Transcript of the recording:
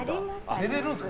寝れるんですか？